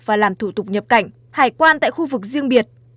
và làm thủ tục nhập cảnh hải quan tại khu vực riêng biệt